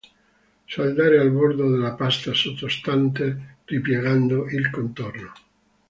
Saldare al bordo della pasta sottostante ripiegando il contorno.